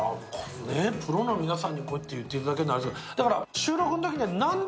プロの皆さんにこうやって言っていただけるのはあれですけど。